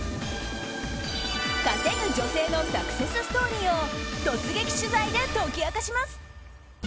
稼ぐ女性のサクセスストーリーを突撃取材で解き明かします。